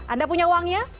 anda punya uangnya